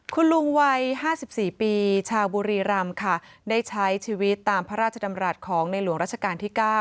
คุณลุงวัย๕๔ปีชาวบุรีรำค่ะได้ใช้ชีวิตตามพระราชดำรัฐของในหลวงราชการที่๙